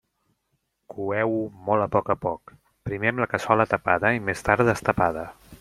Coeu-ho molt a poc a poc, primer amb la cassola tapada i més tard destapada.